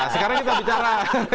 sekarang kita bicara